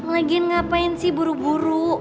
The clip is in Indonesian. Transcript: lagian ngapain sih buru buru